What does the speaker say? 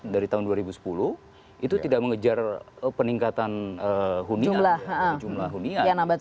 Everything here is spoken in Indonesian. dari tahun dua ribu sepuluh itu tidak mengejar peningkatan jumlah hunian